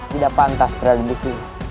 tidak pantas berada di sini